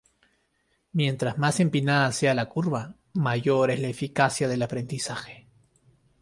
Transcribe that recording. Mientras más empinada sea la curva, mayor es la eficiencia del aprendizaje.